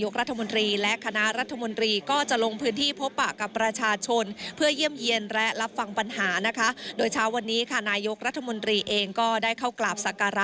ครับจดครับ